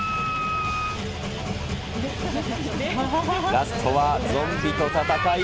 ラストはゾンビと戦い。